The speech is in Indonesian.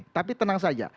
tapi tenang saja